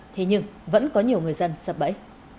thế nhưng vẫn có nhiều người dân sập bẫy